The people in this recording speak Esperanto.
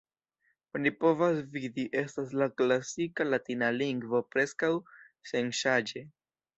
Oni povas vidi, estas la klasika latina lingvo preskaŭ senŝanĝe.